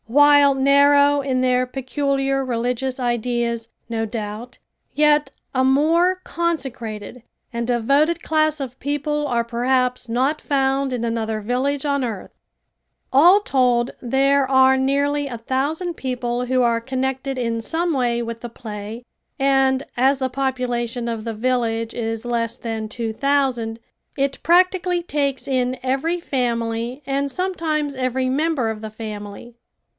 While narrow in their peculiar religious ideas, no doubt, yet a more consecrated and devoted class of people are perhaps not found in another village on earth. All told there are nearly a thousand people who are connected in some way with the play and as the population of the village is less than two thousand, it practically takes in every family and sometimes every member of the family.